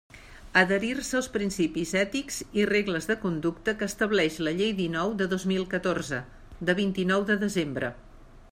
Adherir-se als principis ètics i regles de conducta que estableix la Llei dinou de dos mil catorze, de vint-i-nou de desembre.